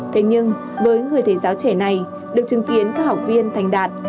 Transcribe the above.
thế nhưng với người thầy giáo trẻ này được chứng kiến các học viên thành đạt